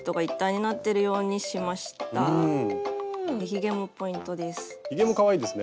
ひげもポイントです。